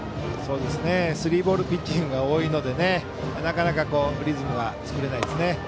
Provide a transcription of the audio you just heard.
スリーボールピッチングが多いので、なかなかリズムが作れないですね。